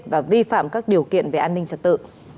và vi phạm các điều kiện về an ninh trật tự